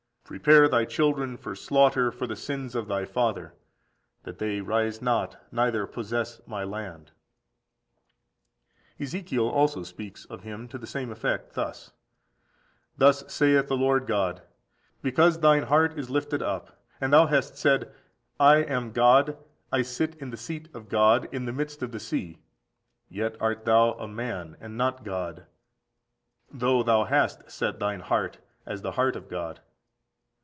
Prepare thy children for slaughter, for the sins of thy father, that they rise not, neither possess my land."14421442 Isa. xiv. 4–21. 18. Ezekiel also speaks of him to the same effect, thus: "Thus saith the Lord God, Because thine heart is lifted up, and thou hast said, I am God, I sit in the seat of God, in the midst of the sea; yet art thou a man, and not God, (though) thou hast set thine heart as the heart of God.